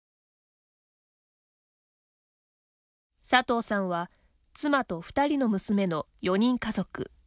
佐藤さんは妻と２人の娘の４人家族。